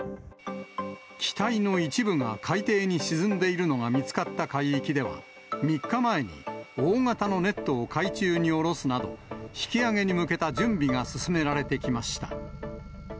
機体の一部が海底に沈んでいるのが見つかった海域では、３日前に大型のネットを海中に下ろすなど、引き揚げに向けた準備が進められてきました。